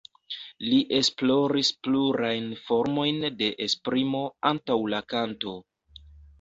Li esploris plurajn formojn de esprimo antaŭ la kanto.